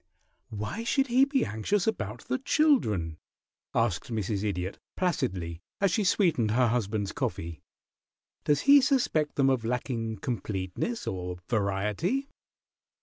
"Why should he be anxious about the children?" asked Mrs. Idiot, placidly, as she sweetened her husband's coffee. "Does he suspect them of lacking completeness or variety?"